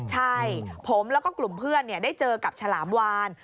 ใช่ผมแล้วก็กลุ่มเพื่อนได้เจอกับฉลามวาน